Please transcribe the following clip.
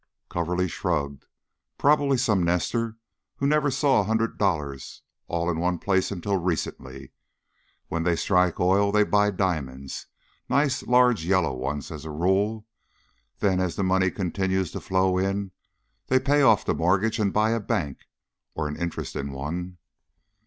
Coverly shrugged. "Probably some nester who never saw a hundred dollars all in one place until recently. When they strike oil, they buy diamonds, nice large yellow ones, as a rule; then as the money continues to flow in, they pay off the mortgage and buy a bank or an interest in one."